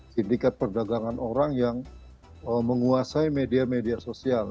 sindikat perdagangan orang yang menguasai media media sosial